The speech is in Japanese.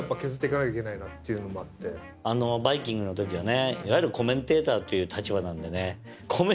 『バイキング』の時はね。